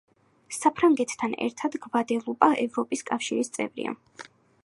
საფრანგეთთან ერთად, გვადელუპა ევროპის კავშირის წევრია.